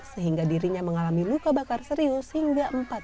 sehingga dirinya mengalami luka bakar serius hingga empat puluh satu persen